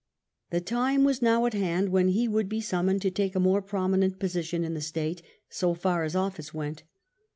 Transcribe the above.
The time was now at hand when he would be sum moned to take a more prominent position in the State, so far as office went.